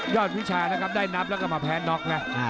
ยอดวิชาได้นับแล้วมาแพ้นกนะ